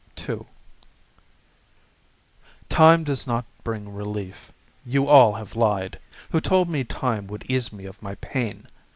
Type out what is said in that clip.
II Time does not bring relief; you all have lied Who told me time would ease me of my pain!